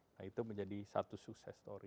nah itu menjadi satu sukses story